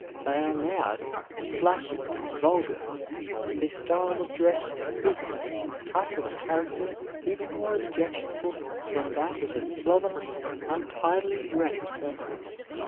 They are loud, flashy, vulgar. Their style of dress bespeaks a type of character even more objectionable than that of the slovenly, untidily dressed person.